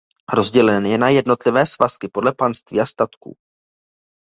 Rozdělen je na jednotlivé svazky podle panství a statků.